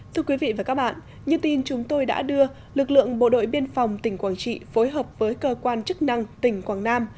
thưa quý vị và các bạn như tin chúng tôi đã đưa lực lượng bộ đội biên phòng tỉnh quảng trị phối hợp với cơ quan chức năng tỉnh quảng nam